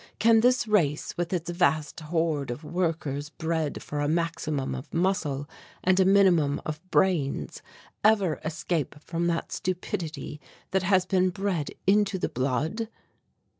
Can this race with its vast horde of workers bred for a maximum of muscle and a minimum of brains ever escape from that stupidity that has been bred into the blood?"